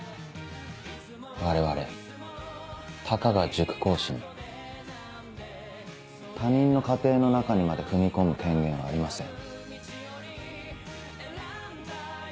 我々たかが塾講師に他人の家庭の中にまで踏み込む権限はありません。